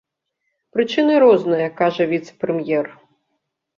Прычыны розныя, кажа віцэ-прэм'ер.